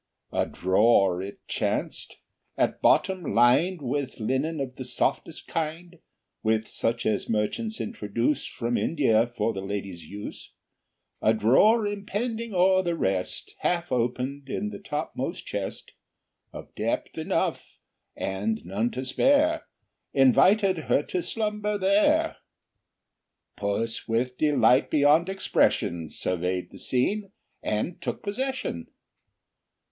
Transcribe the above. A drawer, it chanced, at bottom lined With linen of the softest kind, With such as merchants introduce From India, for the ladies' use; A drawer, impending o'er the rest, Half open, in the topmost chest, Of depth enough, and none to spare, Invited her to slumber there; Puss with delight beyond expression, Surveyed the scene and took possession.